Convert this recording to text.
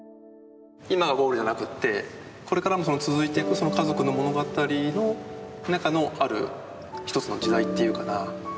今ゴールじゃなくってこれからも続いていくその家族の物語の中のある一つの時代っていうかな